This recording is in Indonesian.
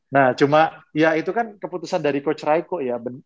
nah cuma ya itu kan keputusan dari coach raiko ya